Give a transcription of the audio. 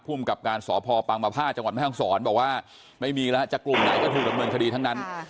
กับการสพปังมภาจังหวัดแม่ห้องศรบอกว่าไม่มีแล้วจะกลุ่มไหนก็ถูกดำเนินคดีทั้งนั้น